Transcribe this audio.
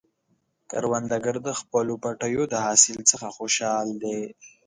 کروندګر د خپلو پټیو د حاصل څخه خوشحال دی